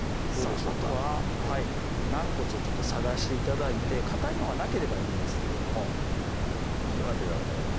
あとは軟骨を探して頂いてかたいのがなければいいんですけれどもちょっと待ってくださいね